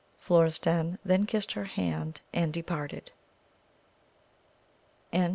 Florestan then kissed her hand, and departed.